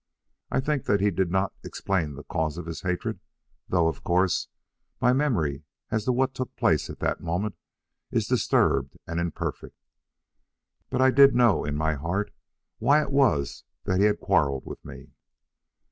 I think that he did not explain the cause of his hatred, though, of course, my memory as to what took place at that moment is disturbed and imperfect; but I did know in my heart why it was that he had quarrelled with me."